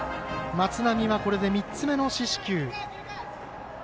松波は、これで３つ目の四死球。